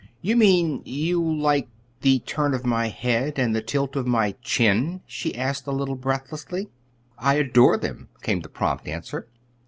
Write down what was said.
"You mean, you like the turn of my head and the tilt of my chin?" she asked a little breathlessly. "I adore them!" came the prompt answer.